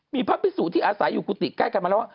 มีพระพิสุที่อาศัยอยู่กุฏิใกล้กันมาแล้ว